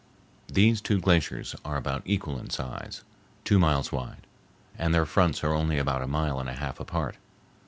These two glaciers are about equal in size—two miles wide—and their fronts are only about a mile and a half apart.